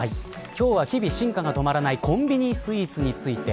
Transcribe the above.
今日は日々進化が止まらないコンビニスイーツについて。